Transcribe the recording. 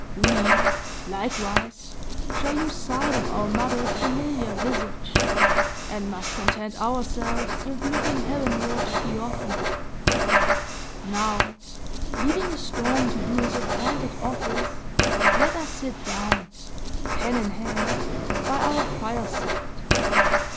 We, likewise, shall lose sight of our mother's familiar visage, and must content ourselves with looking heavenward the oftener. Now, leaving the storm to do his appointed office, let us sit down, pen in hand, by our fireside.